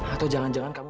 atau jangan jangan kamu